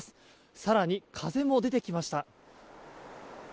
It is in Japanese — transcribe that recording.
更に風も出てきました。